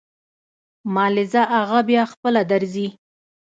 مالې ځه اغه بيا خپله درځي.